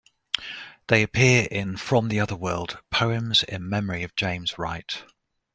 They appear in "From the Other World: Poems in Memory of James Wright".